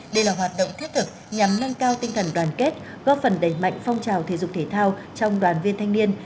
đây là hoạt động thiết thực nhằm nâng cao tinh thần đoàn kết góp phần đẩy mạnh phong trào thể dục thể thao trong đoàn viên thanh niên